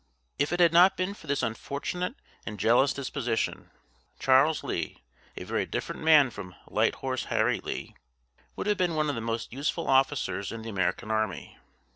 If it had not been for this unfortunate and jealous disposition, Charles Lee a very different man from "Light Horse Harry" Lee would have been one of the most useful officers in the American army.